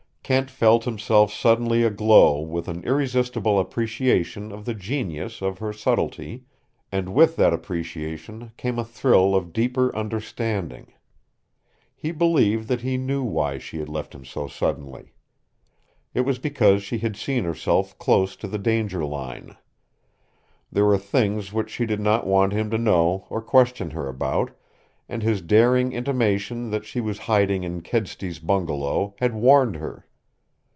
Kent felt himself suddenly aglow with an irresistible appreciation of the genius of her subtlety, and with that appreciation came a thrill of deeper understanding. He believed that he knew why she had left him so suddenly. It was because she had seen herself close to the danger line. There were things which she did not want him to know or question her about, and his daring intimation that she was hiding in Kedsty's bungalow had warned her.